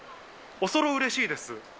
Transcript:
おそろうれしいです。